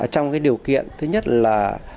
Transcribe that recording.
trong cái điều kiện thứ nhất là